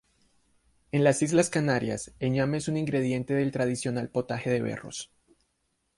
En las Islas Canarias, el ñame es un ingrediente del tradicional potaje de berros.